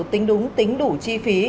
tính đúng tính đủ chi phí